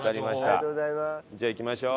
じゃあ行きましょう。